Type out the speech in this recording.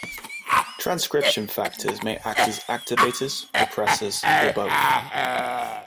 Transcription factors may act as activators, repressors, or both.